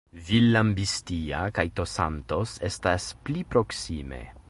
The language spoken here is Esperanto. Villambistia kaj Tosantos estas pli proksime.